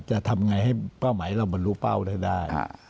จะทำไงให้เป้าหมายเราบรรลุเป้าได้